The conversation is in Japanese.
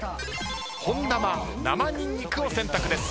本生生にんにくを選択です。